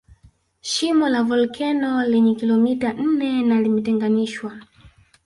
Shimo la volkeno lenye kilomita nne na limetenganishwa